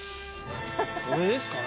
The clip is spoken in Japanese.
これですかね。